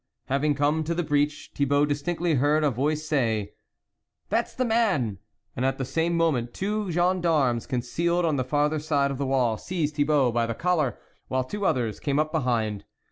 Having come to the breach, Thibault distinctly heard a voice say :" that's the man !" and at the same moment, two gendarmes, concealed on the farther side of the wall, seized Thibault by the collar, while two others came up behind.